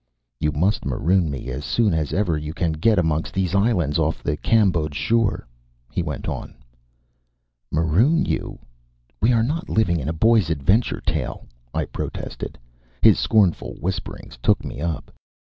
"You must maroon me as soon as ever you can get amongst these islands off the Cambodge shore," he went on. "Maroon you! We are not living in a boy's adventure tale," I protested. His scornful whispering took me up.